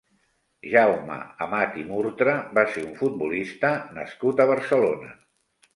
Jaume Amat i Murtra va ser un futbolista nascut a Barcelona.